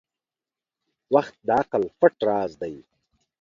• وخت د عقل پټ راز دی.